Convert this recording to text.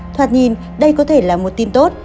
thoạt nhìn đây có thể là một tin tốt